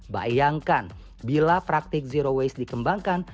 bayangkan bila praktik zero waste dikembangkan